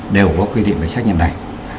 đều có quy định về trách nhiệm này